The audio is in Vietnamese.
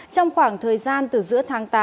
trong khoảng thời gian từ giữa tháng tám